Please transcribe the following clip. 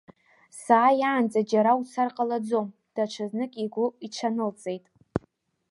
Сааиаанӡа џьара уцар ҟалаӡом, даҽа знык игәы иҽанылҵеит.